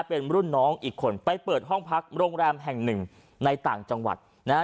เป็นรุ่นน้องอีกคนไปเปิดห้องพักโรงแรมแห่งหนึ่งในต่างจังหวัดนะฮะ